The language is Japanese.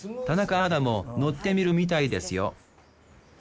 田中アナも乗ってみるみたいですよ